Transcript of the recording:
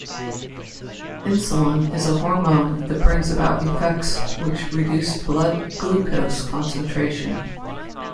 Insulin is a hormone that brings about effects which reduce blood glucose concentration.